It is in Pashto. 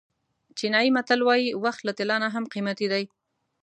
چینایي متل وایي وخت له طلا نه هم قیمتي دی.